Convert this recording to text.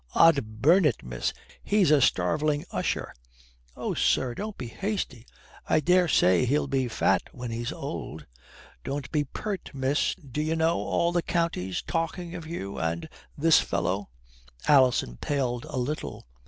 Od burn it, miss, he's a starveling usher." "Oh, sir, don't be hasty. I dare say he'll be fat when he's old." "Don't be pert, miss. D'ye know all the county's talking of you and this fellow?" Alison paled a little.